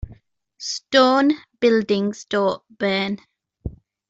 Stone buildings don't burn.